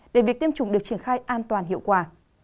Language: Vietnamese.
để việc tiêm chủng được triển khai an toàn hiệu quả